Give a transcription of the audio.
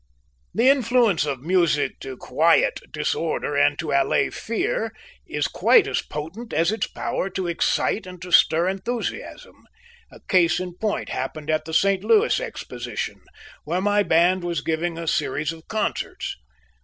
The influence of music to quiet disorder and to allay fear is quite as potent as its power to excite and to stir enthusiasm. A case in point happened at the St. Louis Exposition, where my band was giving a series of concerts.